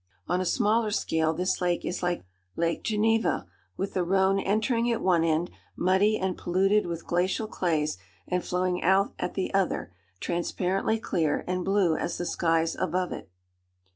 On a smaller scale this lake is like Lake Geneva, with the Rhone entering at one end, muddy and polluted with glacial clays, and flowing out at the other, transparently clear, and blue as the skies above it.